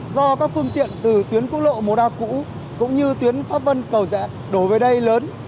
do các phương tiện từ tuyến cúc lộ mô đa cũ cũng như tuyến pháp vân cầu dã đổ về đây lớn